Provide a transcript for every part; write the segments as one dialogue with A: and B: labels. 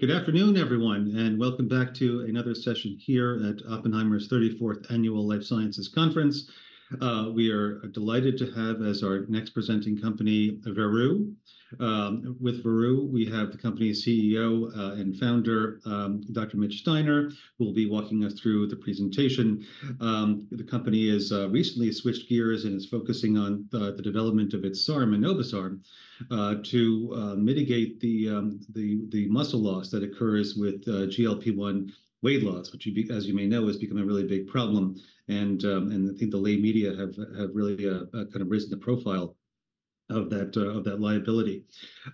A: Good afternoon, everyone, and welcome back to another session here at Oppenheimer's 34th Annual Life Sciences Conference. We are delighted to have as our next presenting company, Veru. With Veru, we have the company's CEO and founder, Dr. Mitch Steiner, who will be walking us through the presentation. The company has recently switched gears and is focusing on the development of its SARM, enobosarm, to mitigate the muscle loss that occurs with GLP-1 weight loss, which, as you may know, has become a really big problem. I think the lay media have really kind of raised the profile of that liability.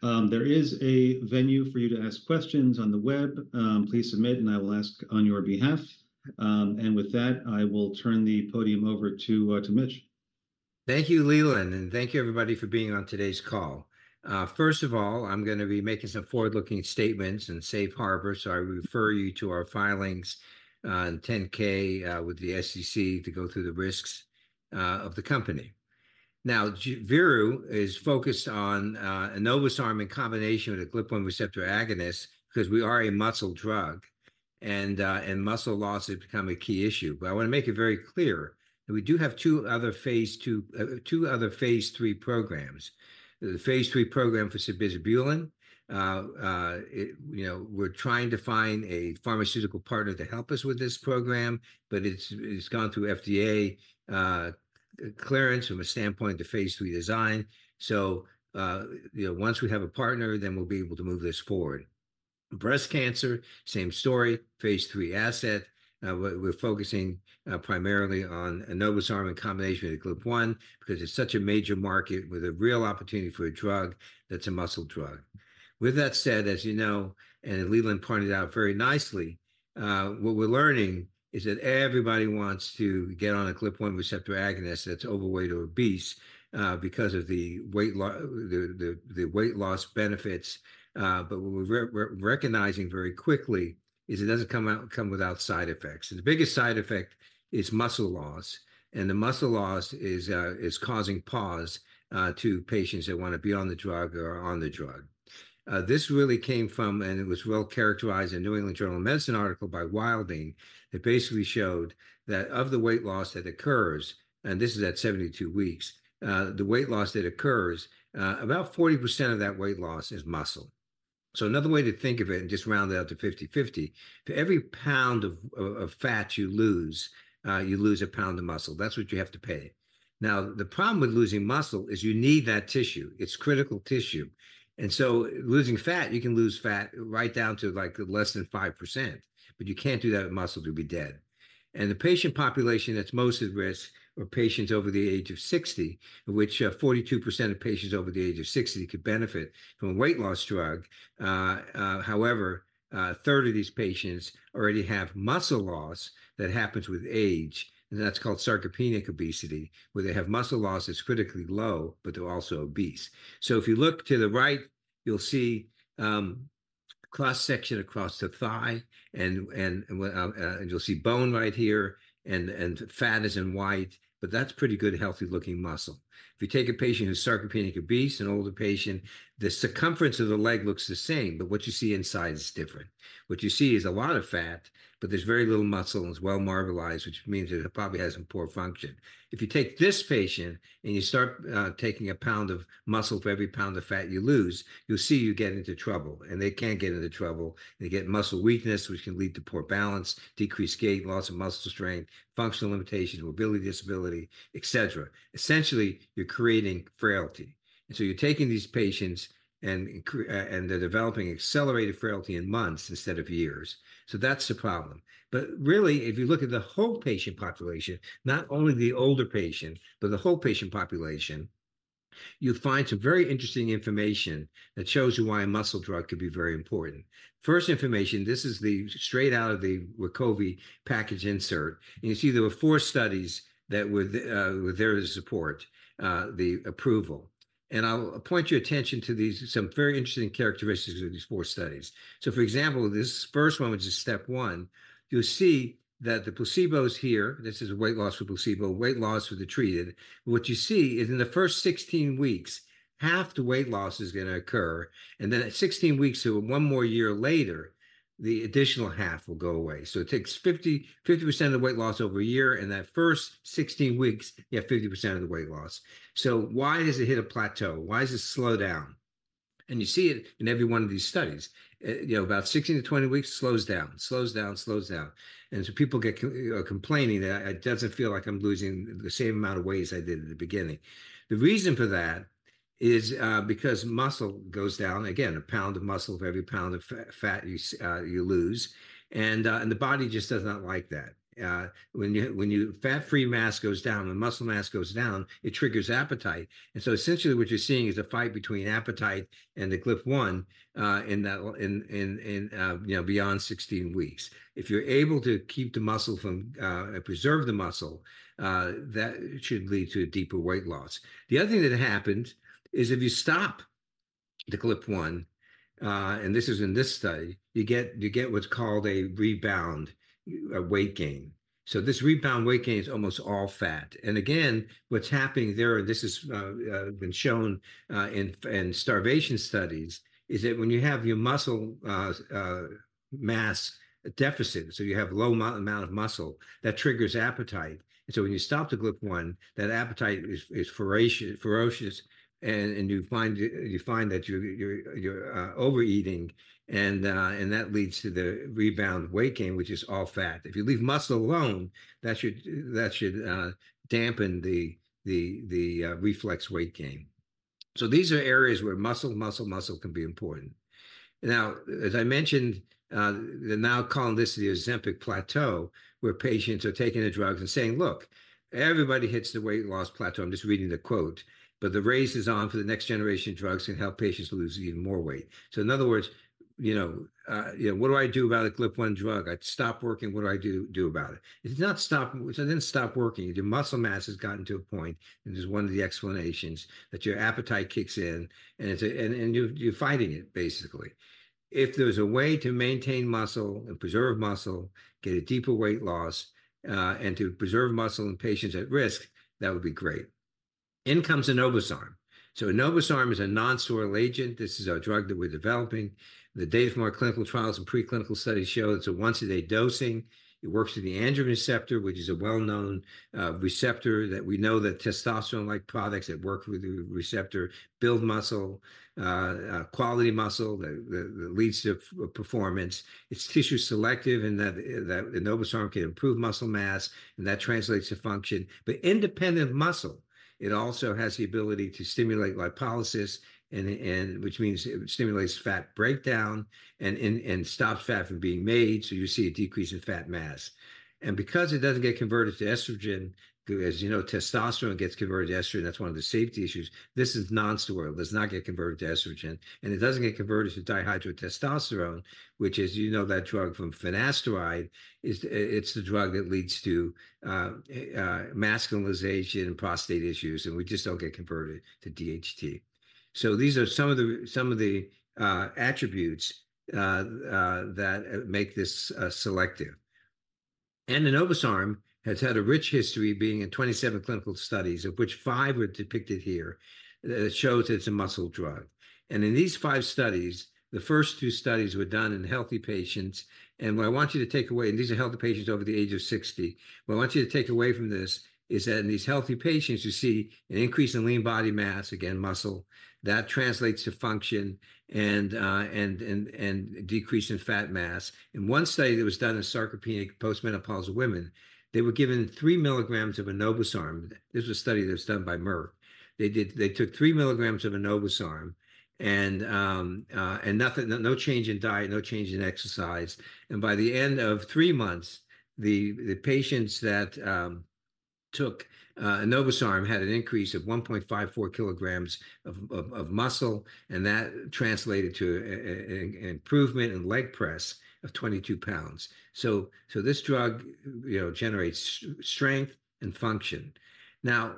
A: There is a venue for you to ask questions on the web. Please submit, and I will ask on your behalf. With that, I will turn the podium over to, to Mitch.
B: Thank you, Leland, and thank you everybody for being on today's call. First of all, I'm gonna be making some forward-looking statements in safe harbor, so I refer you to our filings in 10-K with the SEC to go through the risks of the company. Now, Veru is focused on enobosarm in combination with a GLP-1 receptor agonist, 'cause we are a muscle drug, and muscle loss has become a key issue. But I want to make it very clear that we do have two other phase II, two other phase III programs. The phase III program for sabizabulin, it, you know, we're trying to find a pharmaceutical partner to help us with this program, but it's, it's gone through FDA clearance from a standpoint of phase III design. So, you know, once we have a partner, then we'll be able to move this forward. Breast cancer, same story, phase III asset. We're focusing primarily on enobosarm in combination with GLP-1, because it's such a major market with a real opportunity for a drug that's a muscle drug. With that said, as you know, and Leland pointed out very nicely, what we're learning is that everybody wants to get on a GLP-1 receptor agonist that's overweight or obese, because of the weight loss benefits. But what we're recognizing very quickly is it doesn't come without side effects. And the biggest side effect is muscle loss, and the muscle loss is causing pause to patients that want to be on the drug or are on the drug. This really came from, and it was well characterized in New England Journal of Medicine article by Wilding, that basically showed that of the weight loss that occurs, and this is at 72 weeks, the weight loss that occurs, about 40% of that weight loss is muscle. So another way to think of it, and just round it out to 50/50, for every pound of fat you lose, you lose a pound of muscle. That's what you have to pay. Now, the problem with losing muscle is you need that tissue. It's critical tissue. And so losing fat, you can lose fat right down to, like, less than 5%, but you can't do that with muscle. You'll be dead. The patient population that's most at risk are patients over the age of 60, which, 42% of patients over the age of 60 could benefit from a weight loss drug. However, a third of these patients already have muscle loss that happens with age, and that's called sarcopenic obesity, where they have muscle loss that's critically low, but they're also obese. So if you look to the right, you'll see, cross-section across the thigh, and, well, and you'll see bone right here, and fat is in white, but that's pretty good, healthy-looking muscle. If you take a patient who's sarcopenic obese, an older patient, the circumference of the leg looks the same, but what you see inside is different. What you see is a lot of fat, but there's very little muscle, and it's well marbleized, which means that it probably has some poor function. If you take this patient and you start taking a pound of muscle for every pound of fat you lose, you'll see you get into trouble, and they can't get into trouble. They get muscle weakness, which can lead to poor balance, decreased gait, loss of muscle strength, functional limitations, mobility disability, et cetera. Essentially, you're creating frailty. And so you're taking these patients and they're developing accelerated frailty in months instead of years. So that's the problem. But really, if you look at the whole patient population, not only the older patient, but the whole patient population, you'll find some very interesting information that shows you why a muscle drug could be very important. First information, this is the... straight out of the Wegovy package insert. And you see there were four studies that were there to support the approval. And I'll point your attention to these, some very interesting characteristics of these four studies. So, for example, this first one, which is STEP 1, you'll see that the placebo is here. This is weight loss for placebo, weight loss for the treated. What you see is in the first 16 weeks, half the weight loss is gonna occur, and then at 16 weeks, so one more year later, the additional half will go away. So it takes 50-50% of the weight loss over a year, and that first 16 weeks, you have 50% of the weight loss. So why does it hit a plateau? Why does it slow down? And you see it in every one of these studies. You know, about 16 to 20 weeks, slows down, slows down, slows down. And so people get complaining that, "It doesn't feel like I'm losing the same amount of weight as I did at the beginning." The reason for that is, because muscle goes down. Again, a pound of muscle for every pound of fat you lose, and the body just does not like that. When you... fat-free mass goes down, when muscle mass goes down, it triggers appetite. And so essentially what you're seeing is a fight between appetite and the GLP-1, in that, you know, beyond 16 weeks. If you're able to keep the muscle from, preserve the muscle, that should lead to a deeper weight loss. The other thing that happens is if you stop the GLP-1, and this is in this study, you get what's called a rebound, a weight gain. So this rebound weight gain is almost all fat. And again, what's happening there, and this has been shown in starvation studies, is that when you have your muscle mass deficit, so you have low amount of muscle, that triggers appetite. And so when you stop the GLP-1, that appetite is ferocious, and you find that you're overeating, and that leads to the rebound weight gain, which is all fat. If you leave muscle alone, that should dampen the reflex weight gain. So these are areas where muscle, muscle, muscle can be important. Now, as I mentioned, they're now calling this the Ozempic plateau, where patients are taking the drugs and saying, "Look, everybody hits the weight loss plateau," I'm just reading the quote, "but the race is on for the next generation of drugs to help patients lose even more weight." So in other words, you know, you know, "What do I do about a GLP-1 drug? It stopped working. What do I do about it?" It's not stopping - it didn't stop working. Your muscle mass has gotten to a point, and this is one of the explanations, that your appetite kicks in, and it's a... and you're fighting it, basically. If there's a way to maintain muscle and preserve muscle, get a deeper weight loss, and to preserve muscle in patients at risk, that would be great. In comes enobosarm. So enobosarm is a non-steroidal agent. This is a drug that we're developing. The phase 3 clinical trials and preclinical studies show it's a once-a-day dosing. It works in the androgen receptor, which is a well-known receptor that we know that testosterone-like products that work with the receptor build muscle, quality muscle that leads to performance. It's tissue selective, and that enobosarm can improve muscle mass, and that translates to function. But independent muscle, it also has the ability to stimulate lipolysis, and which means it stimulates fat breakdown and stops fat from being made, so you see a decrease in fat mass. And because it doesn't get converted to estrogen, as you know, testosterone gets converted to estrogen, that's one of the safety issues, this is non-steroidal. It does not get converted to estrogen, and it doesn't get converted to dihydrotestosterone, which is, you know, that drug from finasteride, is it's the drug that leads to masculinization and prostate issues, and we just don't get converted to DHT. So these are some of the, some of the attributes that make this selective. enobosarm has had a rich history, being in 27 clinical studies, of which five are depicted here, that shows it's a muscle drug. In these five studies, the first two studies were done in healthy patients, and what I want you to take away, and these are healthy patients over the age of 60. What I want you to take away from this is that in these healthy patients, you see an increase in lean body mass, again, muscle. That translates to function and decrease in fat mass. In one study that was done in sarcopenic post-menopausal women, they were given 3 milligrams of enobosarm. This was a study that was done by Merck. They took 3 milligrams of enobosarm and no change in diet, no change in exercise, and by the end of 3 months, the patients that took enobosarm had an increase of 1.54 kilograms of muscle, and that translated to an improvement in leg press of 22 pounds. So this drug, you know, generates strength and function. Now,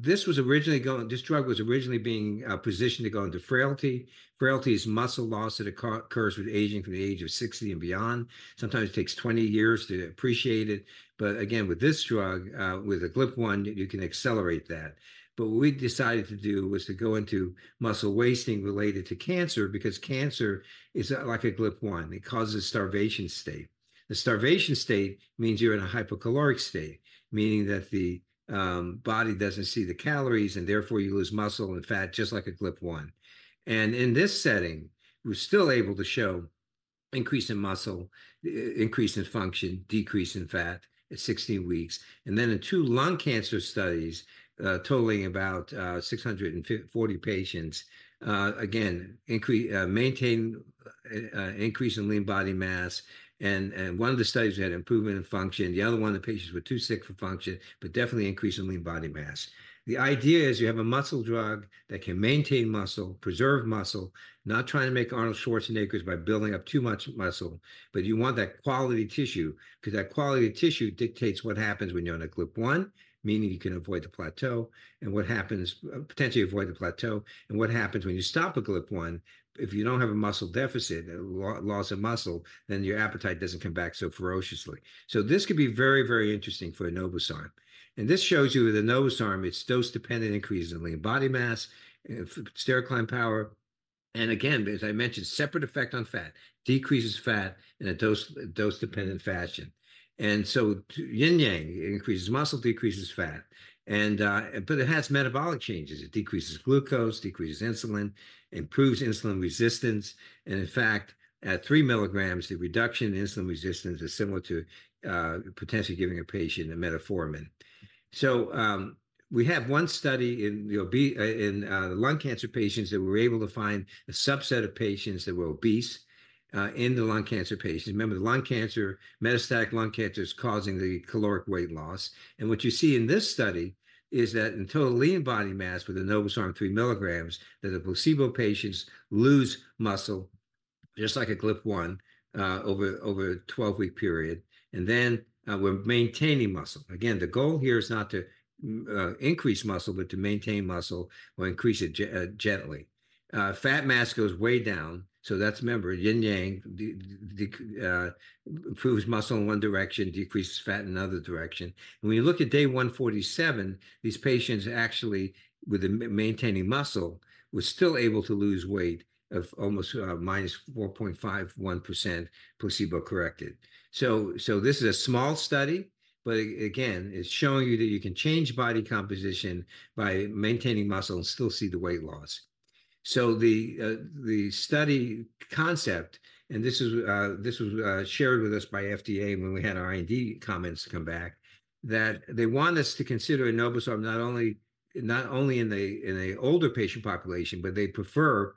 B: this drug was originally being positioned to go into frailty. Frailty is muscle loss that occurs with aging from the age of 60 and beyond. Sometimes it takes 20 years to appreciate it, but again, with this drug, with a GLP-1, you can accelerate that. But what we decided to do was to go into muscle wasting related to cancer, because cancer is like a GLP-1. It causes starvation state. The starvation state means you're in a hypocaloric state, meaning that the body doesn't see the calories, and therefore, you lose muscle and fat, just like a GLP-1. And in this setting, we're still able to show increase in muscle, increase in function, decrease in fat at 16 weeks. And then in two lung cancer studies, totaling about 640 patients, again, increase in lean body mass, and one of the studies had improvement in function. The other one, the patients were too sick for function, but definitely increase in lean body mass. The idea is you have a muscle drug that can maintain muscle, preserve muscle, not trying to make Arnold Schwarzenegger by building up too much muscle, but you want that quality tissue, because that quality of tissue dictates what happens when you're on a GLP-1, meaning you can avoid the plateau, and what happens, potentially avoid the plateau. And what happens when you stop a GLP-1, if you don't have a muscle deficit, a loss of muscle, then your appetite doesn't come back so ferociously. So this could be very, very interesting for enobosarm. And this shows you with enobosarm, it's dose-dependent increase in lean body mass, in stair climb power, and again, as I mentioned, separate effect on fat. Decreases fat in a dose, dose-dependent fashion. And so yin yang, it increases muscle, decreases fat. But it has metabolic changes. It decreases glucose, decreases insulin, improves insulin resistance, and in fact, at 3 milligrams, the reduction in insulin resistance is similar to potentially giving a patient a metformin. So, we have one study in, you know, in lung cancer patients that we're able to find a subset of patients that were obese in the lung cancer patients. Remember, the lung cancer, metastatic lung cancer is causing the caloric weight loss, and what you see in this study is that in total lean body mass with enobosarm 3 milligrams, that the placebo patients lose muscle just like a GLP-1 over a 12-week period, and then, we're maintaining muscle. Again, the goal here is not to increase muscle, but to maintain muscle or increase it gently. Fat mass goes way down, so that's, remember, yin yang. Improves muscle in one direction, decreases fat in another direction. When you look at day 147, these patients actually, with maintaining muscle, were still able to lose weight of almost minus 4.51% placebo corrected. So this is a small study, but again, it's showing you that you can change body composition by maintaining muscle and still see the weight loss. So the study concept, and this is, this was, shared with us by FDA when we had our IND comments come back, that they want us to consider enobosarm not only, not only in an older patient population, but they prefer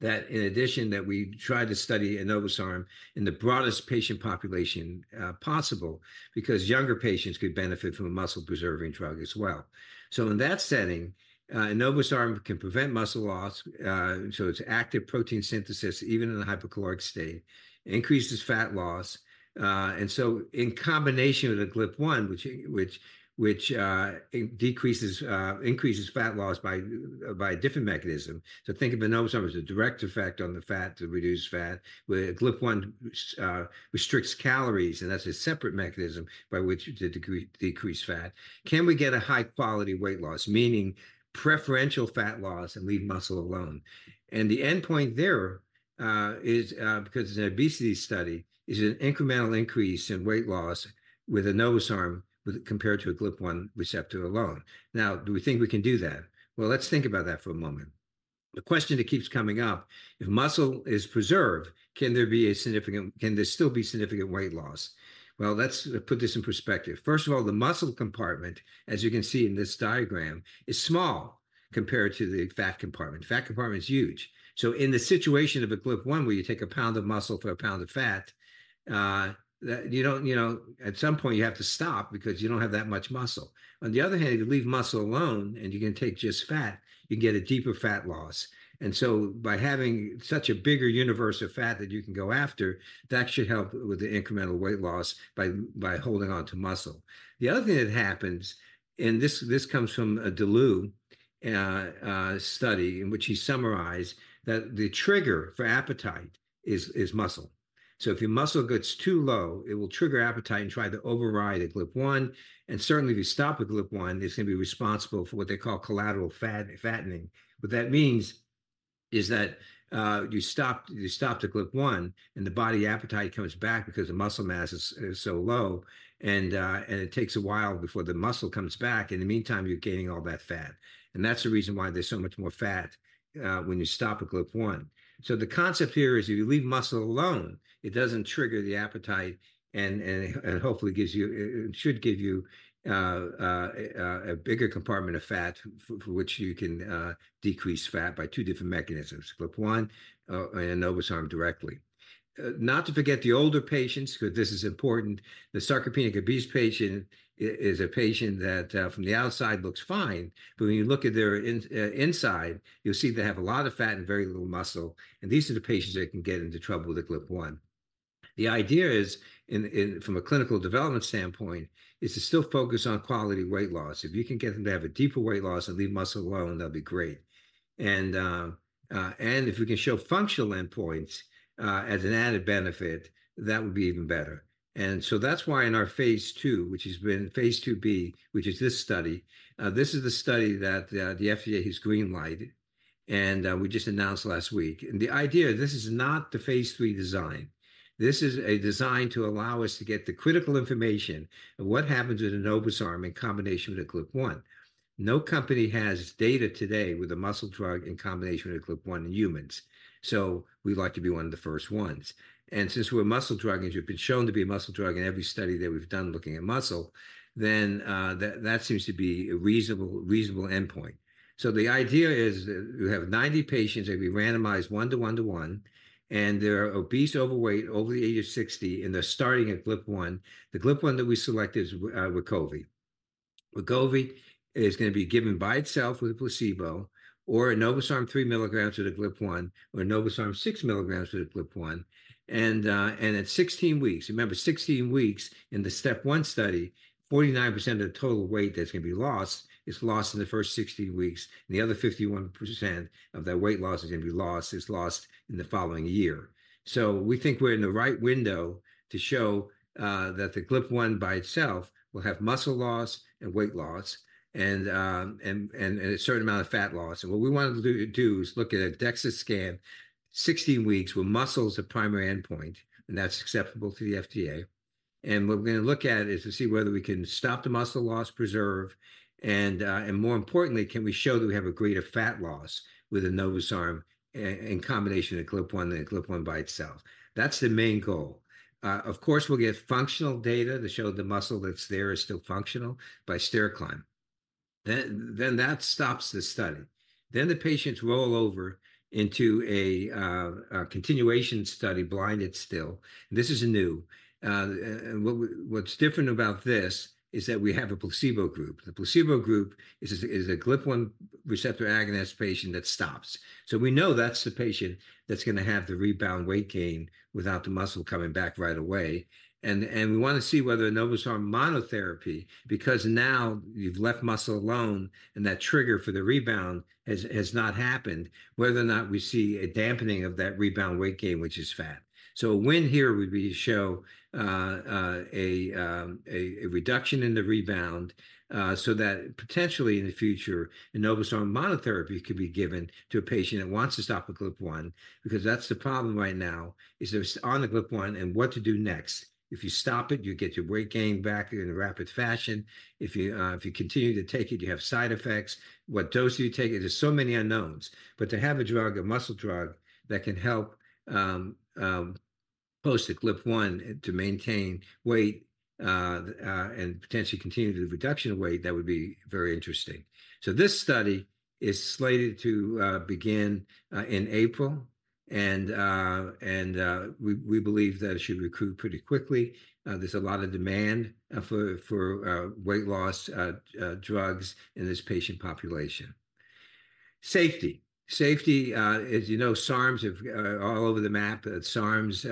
B: that in addition, that we try to study enobosarm in the broadest patient population, possible, because younger patients could benefit from a muscle-preserving drug as well. So in that setting, enobosarm can prevent muscle loss. So it's active protein synthesis, even in a hypocaloric state, increases fat loss. And so in combination with a GLP-1, which it decreases, increases fat loss by a different mechanism. So think of enobosarm as a direct effect on the fat to reduce fat, where a GLP-1 restricts calories, and that's a separate mechanism by which to decrease fat. Can we get a high-quality weight loss, meaning preferential fat loss and leave muscle alone? And the endpoint there is, because it's an obesity study, is an incremental increase in weight loss with enobosarm compared to a GLP-1 receptor alone. Now, do we think we can do that? Well, let's think about that for a moment. The question that keeps coming up: if muscle is preserved, can there still be significant weight loss? Well, let's put this in perspective. First of all, the muscle compartment, as you can see in this diagram, is small compared to the fat compartment. Fat compartment is huge. So in the situation of a GLP-1, where you take a pound of muscle for a pound of fat, that you don't, you know... At some point, you have to stop because you don't have that much muscle. On the other hand, if you leave muscle alone and you can take just fat, you can get a deeper fat loss. And so by having such a bigger universe of fat that you can go after, that should help with the incremental weight loss by holding on to muscle. The other thing that happens, and this comes from a Dulloo study, in which he summarized that the trigger for appetite is muscle. So if your muscle gets too low, it will trigger appetite and try to override a GLP-1. And certainly, if you stop a GLP-1, it's gonna be responsible for what they call collateral fattening. What that means is that, you stop the GLP-1, and the body appetite comes back because the muscle mass is so low, and it takes a while before the muscle comes back. In the meantime, you're gaining all that fat, and that's the reason why there's so much more fat when you stop a GLP-1. So the concept here is, if you leave muscle alone, it doesn't trigger the appetite and hopefully gives you, it should give you a bigger compartment of fat for which you can decrease fat by two different mechanisms: GLP-1 and enobosarm directly. Not to forget the older patients, because this is important. The sarcopenic obese patient is a patient that, from the outside, looks fine, but when you look at their inside, you'll see they have a lot of fat and very little muscle, and these are the patients that can get into trouble with the GLP-1. The idea is, from a clinical development standpoint, is to still focus on quality weight loss. If you can get them to have a deeper weight loss and leave muscle alone, that'd be great. And, and if we can show functional endpoints, as an added benefit, that would be even better. And so that's why in our phase 2, which has been phase 2b, which is this study, this is the study that, the FDA has green-lighted, and, we just announced last week. And the idea, this is not the phase 3 design. This is a design to allow us to get the critical information of what happens with enobosarm in combination with a GLP-1. No company has data today with a muscle drug in combination with a GLP-1 in humans, so we'd like to be one of the first ones. And since we're a muscle drug, and it's been shown to be a muscle drug in every study that we've done looking at muscle, then that seems to be a reasonable, reasonable endpoint. So the idea is that you have 90 patients, and we randomize 1 to 1 to 1, and they're obese, overweight, over the age of 60, and they're starting a GLP-1. The GLP-1 that we selected is Wegovy. Wegovy is gonna be given by itself with a placebo, or enobosarm 3 milligrams with a GLP-1, or enobosarm 6 milligrams with a GLP-1. At 16 weeks—remember, 16 weeks in the STEP 1 study, 49% of the total weight that's gonna be lost is lost in the first 16 weeks, and the other 51% of that weight loss is gonna be lost, is lost in the following year. So we think we're in the right window to show that the GLP-1 by itself will have muscle loss and weight loss and a certain amount of fat loss. And what we want to do is look at a DEXA scan, 16 weeks, where muscle is the primary endpoint, and that's acceptable to the FDA. What we're gonna look at is to see whether we can stop the muscle loss, preserve, and more importantly, can we show that we have a greater fat loss with enobosarm in combination with GLP-1 than a GLP-1 by itself? That's the main goal. Of course, we'll get functional data to show the muscle that's there is still functional by stair climb. Then that stops the study. Then the patients roll over into a continuation study, blinded still. This is new. And what's different about this is that we have a placebo group. The placebo group is a GLP-1 receptor agonist patient that stops. So we know that's the patient that's gonna have the rebound weight gain without the muscle coming back right away. We wanna see whether enobosarm monotherapy, because now you've left muscle alone, and that trigger for the rebound has not happened, whether or not we see a dampening of that rebound weight gain, which is fat. So a win here would be to show a reduction in the rebound, so that potentially in the future, enobosarm monotherapy could be given to a patient that wants to stop a GLP-1, because that's the problem right now, is they're on the GLP-1, and what to do next? If you stop it, you get your weight gain back in a rapid fashion. If you continue to take it, you have side effects. What dose do you take? There's so many unknowns. But to have a drug, a muscle drug, that can help post a GLP-1 to maintain weight, and potentially continue the reduction of weight, that would be very interesting. So this study is slated to begin in April, and we believe that it should recruit pretty quickly. There's a lot of demand for weight loss drugs in this patient population. Safety. Safety, as you know, SARMs have all over the map. SARMs,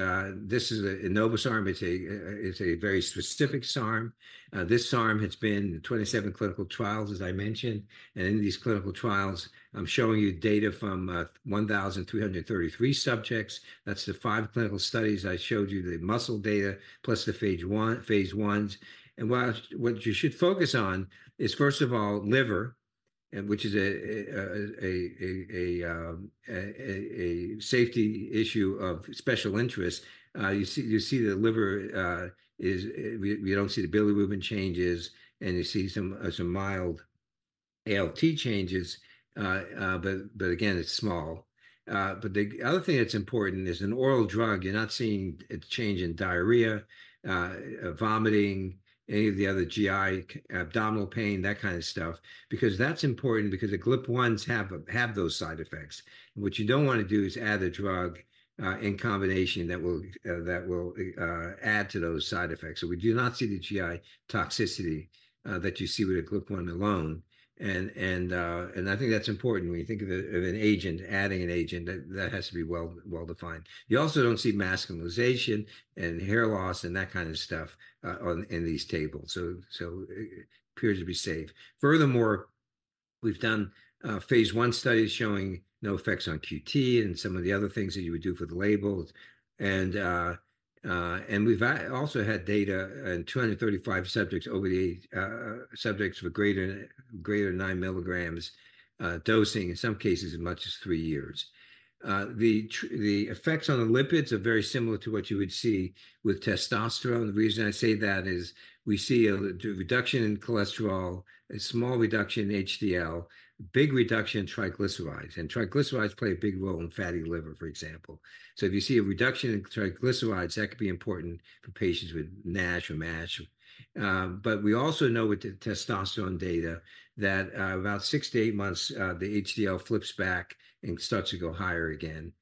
B: this is a enobosarm. It's a very specific SARM. This SARM has been in 27 clinical trials, as I mentioned, and in these clinical trials, I'm showing you data from 1,333 subjects. That's the 5 clinical studies I showed you, the muscle data, plus the phase 1, phase 1s. And what you should focus on is, first of all, liver, which is a safety issue of special interest. You see the liver is – we don't see the bilirubin changes, and you see some mild ALT changes, but again, it's small. But the other thing that's important is an oral drug, you're not seeing a change in diarrhea, vomiting, any of the other GI abdominal pain, that kind of stuff, because that's important because the GLP-1s have those side effects. And what you don't wanna do is add a drug in combination that will add to those side effects. So we do not see the GI toxicity, that you see with a GLP-1 alone. I think that's important when you think of an agent, adding an agent, that has to be well-defined. You also don't see masculinization and hair loss and that kind of stuff, in these tables, so it appears to be safe. Furthermore, we've done phase 1 studies showing no effects on QT and some of the other things that you would do for the labels. We've also had data in 235 subjects over the age, subjects with greater than 9 milligrams dosing, in some cases as much as 3 years. The effects on the lipids are very similar to what you would see with testosterone. The reason I say that is we see a reduction in cholesterol, a small reduction in HDL, big reduction in triglycerides, and triglycerides play a big role in fatty liver, for example. So if you see a reduction in triglycerides, that could be important for patients with NASH or MASH. But we also know with the testosterone data that, about 6-8 months, the HDL flips back and starts to go higher again.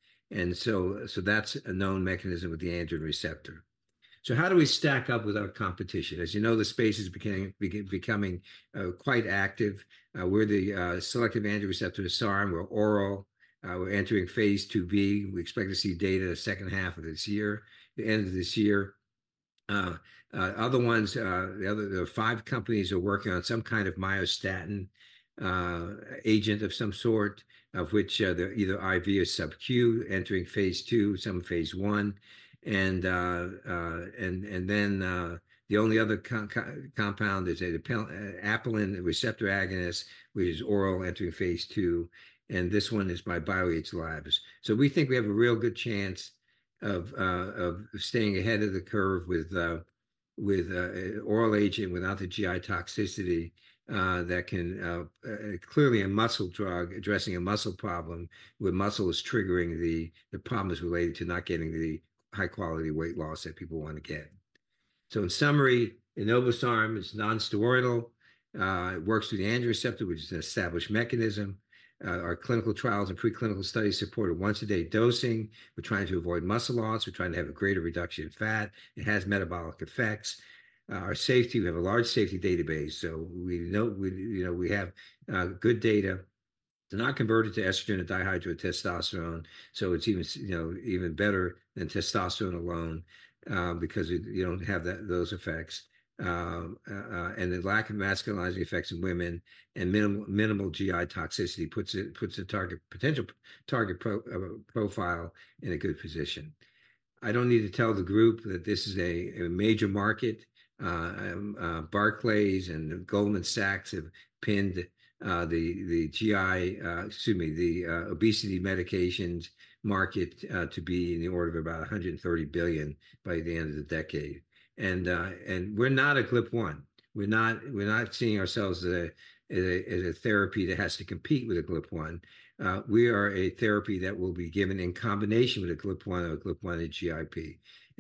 B: So that's a known mechanism with the androgen receptor. So how do we stack up with our competition? As you know, the space is becoming quite active. We're the selective androgen receptor to SARM. We're oral. We're entering phase 2b. We expect to see data in the second half of this year, the end of this year. Other ones, the other, there are five companies are working on some kind of myostatin agent of some sort, of which they're either IV or subQ, entering phase 2, some phase 1. And then, the only other compound is the apelin receptor agonist, which is oral, entering phase 2, and this one is by BioAge Labs. So we think we have a real good chance of staying ahead of the curve with a oral agent without the GI toxicity that can clearly a muscle drug addressing a muscle problem, where muscle is triggering the problems related to not getting the high quality weight loss that people want to get. So in summary, enobosarm is non-steroidal. It works through the androgen receptor, which is an established mechanism. Our clinical trials and preclinical studies support a once a day dosing. We're trying to avoid muscle loss. We're trying to have a greater reduction in fat. It has metabolic effects. Our safety, we have a large safety database, so we know we, you know, we have good data. They're not converted to estrogen or dihydrotestosterone, so it's even, you know, even better than testosterone alone, because you don't have that, those effects. And the lack of masculinizing effects in women and minimal GI toxicity puts it, puts the potential target profile in a good position. I don't need to tell the group that this is a major market. Barclays and Goldman Sachs have pegged the obesity medications market to be in the order of about $130 billion by the end of the decade. We're not a GLP-1. We're not seeing ourselves as a therapy that has to compete with a GLP-1. We are a therapy that will be given in combination with a GLP-1 or a GLP-1/GIP.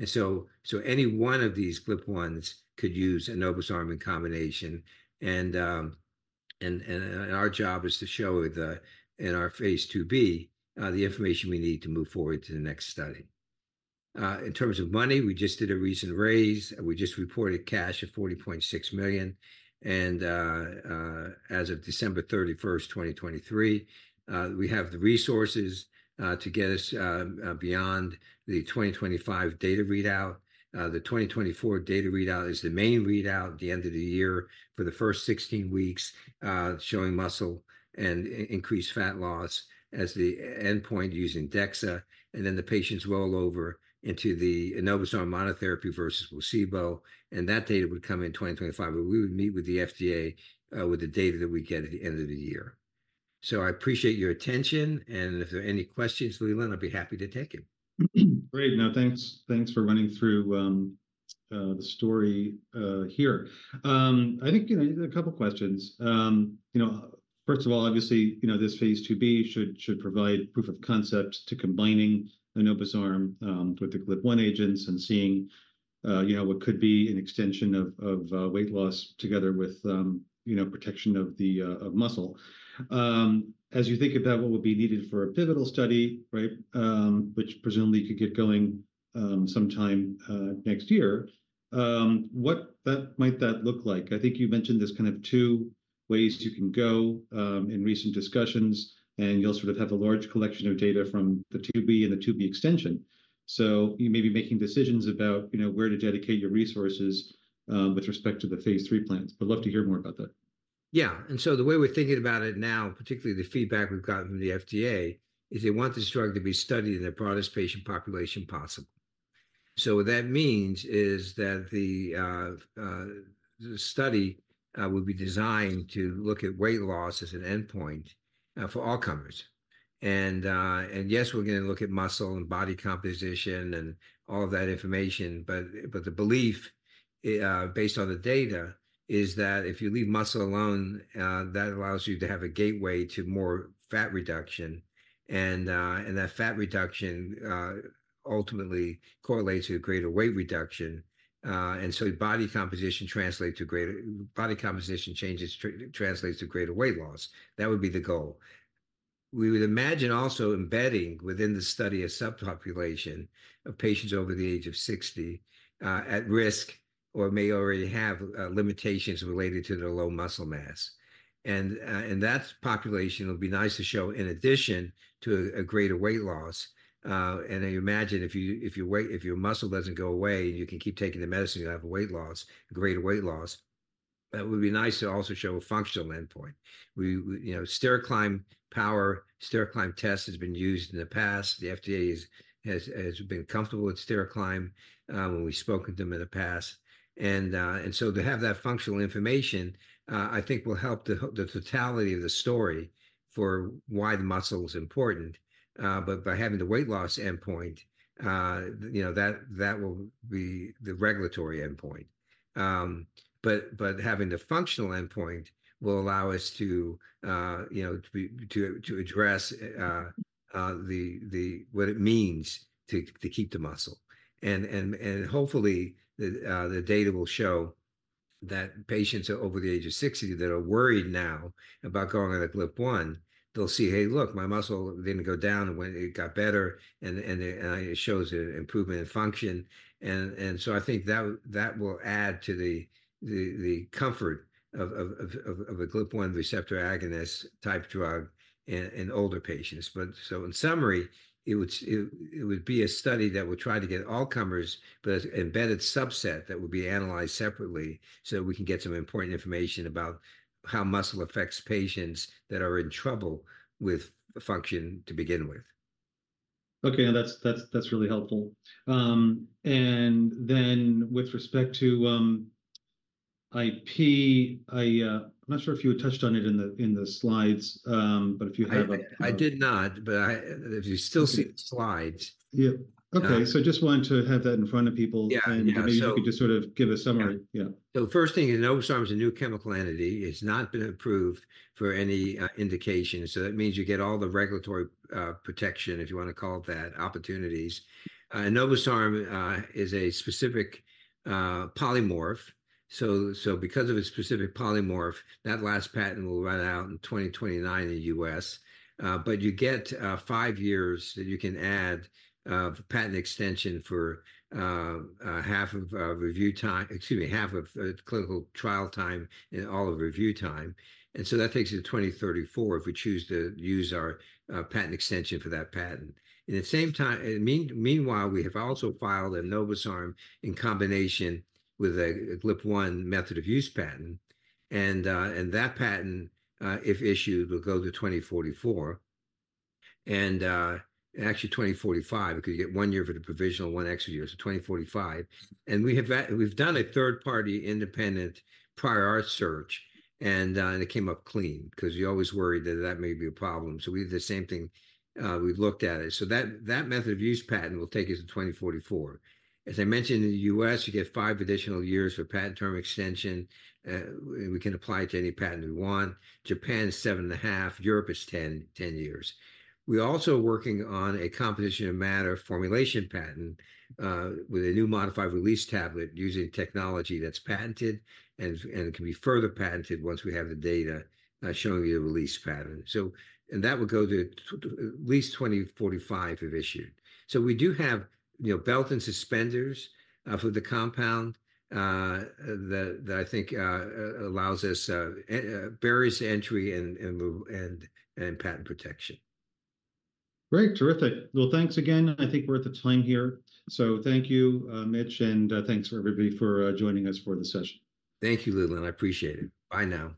B: So any one of these GLP-1s could use enobosarm in combination, and our job is to show in our phase 2b the information we need to move forward to the next study. In terms of money, we just did a recent raise, and we just reported cash of $40.6 million. As of December 31st, 2023, we have the resources to get us beyond the 2025 data readout. The 2024 data readout is the main readout at the end of the year for the first 16 weeks, showing muscle and increased fat loss as the endpoint using DEXA, and then the patients roll over into the enobosarm monotherapy versus placebo, and that data would come in 2025. But we would meet with the FDA with the data that we get at the end of the year. So I appreciate your attention, and if there are any questions, Leland, I'd be happy to take them.
A: Great. No, thanks for running through the story here. I think, you know, a couple questions. You know, first of all, obviously, you know, this Phase 2b should provide proof of concept to combining enobosarm with the GLP-1 agents and seeing, you know, what could be an extension of weight loss together with, you know, protection of the muscle. As you think about what would be needed for a pivotal study, right, which presumably could get going sometime next year, what that might look like? I think you mentioned there's kind of two ways you can go in recent discussions, and you'll sort of have a large collection of data from the 2b and the 2b extension. So you may be making decisions about, you know, where to dedicate your resources, with respect to the Phase III plans. I'd love to hear more about that.
B: Yeah, and so the way we're thinking about it now, particularly the feedback we've gotten from the FDA, is they want this drug to be studied in the broadest patient population possible. So what that means is that the study will be designed to look at weight loss as an endpoint for all comers. And yes, we're gonna look at muscle and body composition and all of that information, but the belief based on the data is that if you leave muscle alone, that allows you to have a gateway to more fat reduction, and that fat reduction ultimately correlates to a greater weight reduction. And so body composition changes translates to greater weight loss. That would be the goal. We would imagine also embedding within the study a subpopulation of patients over the age of 60, at risk or may already have, limitations related to their low muscle mass. And that population will be nice to show in addition to a greater weight loss. And I imagine if you, if your weight—if your muscle doesn't go away, and you can keep taking the medicine, you'll have a weight loss, a greater weight loss. It would be nice to also show a functional endpoint. You know, stair climb power, stair climb test has been used in the past. The FDA has been comfortable with stair climb, when we spoke with them in the past. And so to have that functional information, I think will help the totality of the story for why the muscle is important. But by having the weight loss endpoint, you know, that will be the regulatory endpoint. But having the functional endpoint will allow us to, you know, to address what it means to keep the muscle. Hopefully, the data will show that patients over the age of 60 that are worried now about going on a GLP-1, they'll see, "Hey, look, my muscle didn't go down, and when it got better, and it shows an improvement in function." And so I think that will add to the comfort of a GLP-1 receptor agonist type drug in older patients. But so in summary, it would be a study that would try to get all comers, but an embedded subset that would be analyzed separately, so we can get some important information about how muscle affects patients that are in trouble with the function to begin with.
A: Okay, that's really helpful. And then with respect to IP, I'm not sure if you had touched on it in the slides, but if you have-
B: I did not, but I... If you still see the slides?
A: Yep.
B: Uh-
A: Okay, so just wanted to have that in front of people.
B: Yeah, yeah, so-
A: Maybe you could just sort of give a summary.
B: Yeah.
A: Yeah.
B: So first thing, enobosarm is a new chemical entity. It's not been approved for any indication, so that means you get all the regulatory protection, if you wanna call it that, opportunities. Enobosarm is a specific polymorph. So because of its specific polymorph, that last patent will run out in 2029 in the U.S. But you get 5 years that you can add patent extension for half of the review time. Excuse me, half of the clinical trial time and all of review time. And so that takes you to 2034 if we choose to use our patent extension for that patent. In the same time, meanwhile, we have also filed an enobosarm in combination with a GLP-1 method of use patent, and, and that patent, if issued, will go to 2044, and, actually 2045, because you get one year for the provisional, one extra year, so 2045. And we have we've done a third-party independent prior art search, and, and it came up clean, 'cause you're always worried that that may be a problem, so we did the same thing, we've looked at it. So that, that method of use patent will take us to 2044. As I mentioned, in the U.S., you get five additional years for patent term extension, and we can apply it to any patent we want. Japan is 7.5, Europe is 10, 10 years. We're also working on a composition of matter formulation patent with a new modified release tablet using technology that's patented and it can be further patented once we have the data showing the release pattern. So, and that will go to at least 2045, if issued. So we do have, you know, belt and suspenders for the compound that I think barriers to entry and moat and patent protection.
A: Great, terrific. Well, thanks again. I think we're at the time here. So thank you, Mitch, and thanks for everybody for joining us for the session.
B: Thank you, Leland. I appreciate it. Bye now.